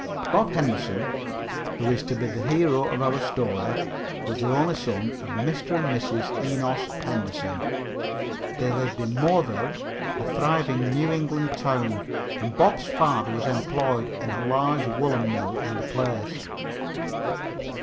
Bob Henderson, who is to be the hero of our Story, was the only son of Mr. and Mrs. Enos Henderson. They lived in Moreville, a thriving New England town, and Bob's father was employed in a large woolen mill in the place.